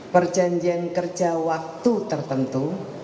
perjanjian kerja waktu tertentu